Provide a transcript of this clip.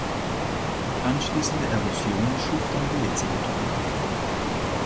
Anschließende Erosion schuf dann die jetzige Topographie.